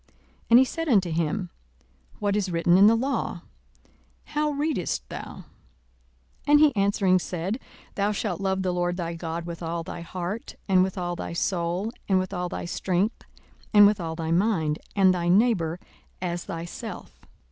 42:010:026 He said unto him, What is written in the law? how readest thou? 42:010:027 And he answering said, Thou shalt love the Lord thy God with all thy heart, and with all thy soul, and with all thy strength, and with all thy mind; and thy neighbour as thyself.